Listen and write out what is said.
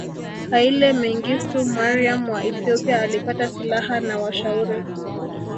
Haile Mengistu Mariam wa Ethiopia alipata silaha na washauri